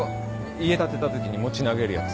家建てたときに餅投げるやつ。